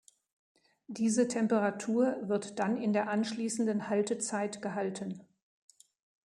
Diese Temperatur wird dann in der anschließenden Haltezeit gehalten.